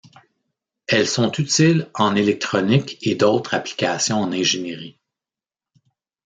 Elles sont utiles en électronique et d'autres applications en ingénierie.